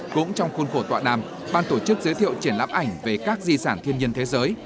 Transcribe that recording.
cũng trong khuôn khổ tọa đàm ban tổ chức giới thiệu triển lãm ảnh về các di sản thiên nhiên thế giới